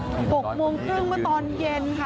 หกโมงครึ่งเมื่อตอนเย็นค่ะ